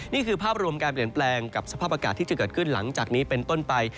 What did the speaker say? นี่คือภาพรวมการเปลี่ยนแปลงกับสภาพอากาศที่จะเกิดขึ้นหลังจากนี้เป็นต้นไป